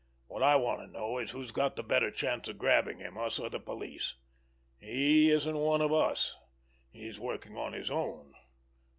What I want to know is who's got the better chance of grabbing him—us or the police? He isn't one of us. He's working on his own.